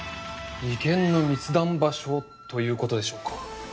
利権の密談場所ということでしょうか？